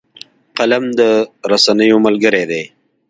قلم د رسنیو ملګری دی